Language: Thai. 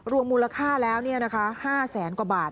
มูลค่าแล้ว๕แสนกว่าบาท